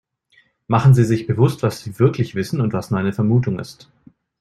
Machen Sie sich bewusst, was sie wirklich wissen und was nur eine Vermutung ist.